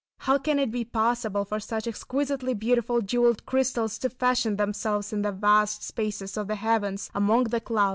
How can it be possible for such exquisitely beautiful jewelled crystals to fashion themselves in the vast spaces of the heavens, among the clouds!